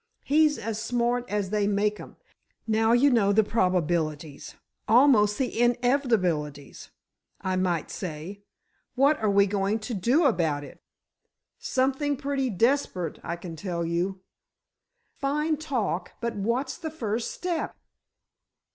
He's as smart as they make 'em. Now, you know the probabilities—almost the inevitabilities, I might say, what are we going to do about it?" "Something pretty desperate, I can tell you!" "Fine talk, but what's the first step?"